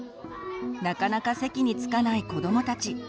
なかなか席に着かない子どもたち。